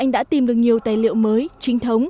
đây là anh